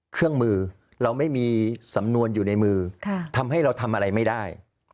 เครื่องมือเราไม่มีสำนวนอยู่ในมือทำให้เราทำอะไรไม่ได้